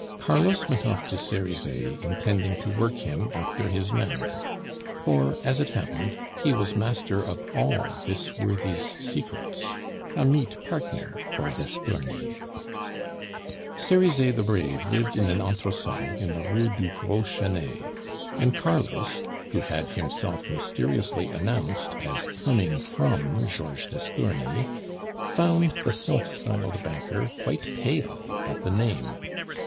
Carlos went off to Cerizet intending to work him after his manner; for, as it happened, he was master of all this worthy's secrets a meet partner for d'Estourny. Cerizet the Brave lived in an entresol in the Rue du Gros Chenet, and Carlos, who had himself mysteriously announced as coming from Georges d'Estourny, found the self styled banker quite pale at the name.